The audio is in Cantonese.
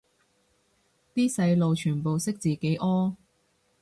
啲細路全部識自己屙